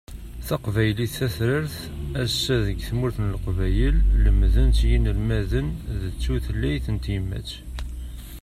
Taqbaylit tatrart, ass-a, deg tmurt n Leqbayel lemden-tt yinelmaden d tutlayt n tyemmat.